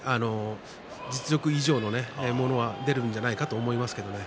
実力以上のものは出るんじゃないかと思いますけれど。